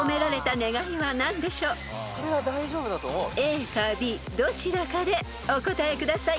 ［ＡかＢどちらかでお答えください］